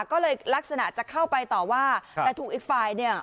ก็เลยลักษณะจะเข้าไปต่อว่าแต่ถูกอีกฝ่ายเนี่ย